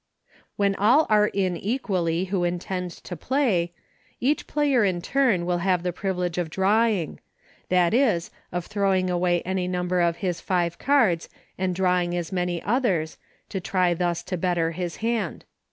When all are in equally who intend to play, each player in turn will have the privilege of drawing ; that is, of throwing away any num ber of his five cards and drawing as many others, to try thus to better his hand.